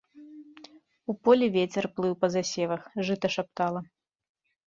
У полі вецер плыў па засевах, жыта шаптала.